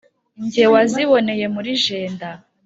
jye waziboneye muri jenda,